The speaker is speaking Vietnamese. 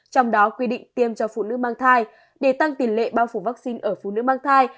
trong đó quy định tiêm cho phụ nữ mang thai để tăng tiền lệ bao phủ vaccine ở phụ nữ mang thai